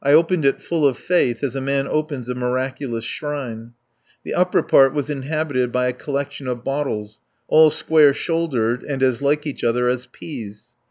I opened it full of faith as a man opens a miraculous shrine. The upper part was inhabited by a collection of bottles, all square shouldered and as like each other as peas.